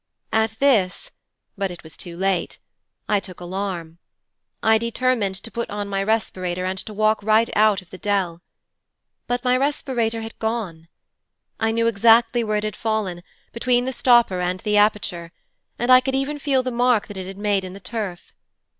'At this but it was too late I took alarm. I determined to put on my respirator and to walk right out of the dell. But my respirator had gone. I knew exactly where it had fallen between the stopper and the aperture and I could even feel the mark that it had made in the turf.